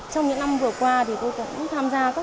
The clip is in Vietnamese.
trong những năm vừa qua tôi cũng tham gia các công tác